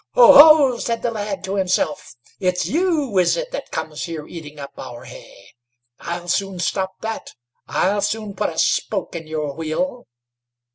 "Ho, ho!" said the lad to himself, "it's you, is it, that comes here eating up our hay? I'll soon stop that I'll soon put a spoke in your wheel."